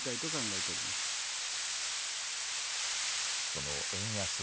その円安。